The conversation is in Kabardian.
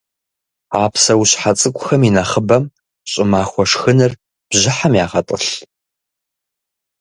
А псэущхьэ цӏыкӏухэм инэхъыбэм щӏымахуэ шхыныр бжьыхьэм ягъэтӏылъ.